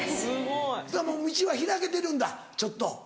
そしたら道は開けてるんだちょっと。